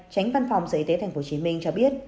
tránh văn phòng sở y tế tp hcm cho biết